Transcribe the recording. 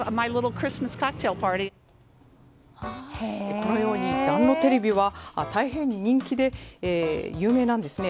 このように暖炉テレビは大変、人気で有名なんですね。